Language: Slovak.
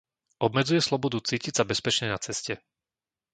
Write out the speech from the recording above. Obmedzuje slobodu cítiť sa bezpečne na ceste.